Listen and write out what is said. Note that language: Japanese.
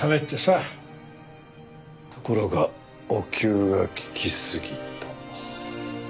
ところがお灸が効きすぎた。